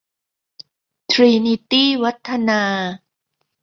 ทรีนีตี้ วัฒนา